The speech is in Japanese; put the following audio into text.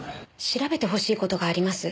調べてほしい事があります。